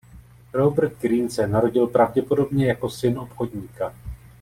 Robert Greene se narodil pravděpodobně jako syn obchodníka.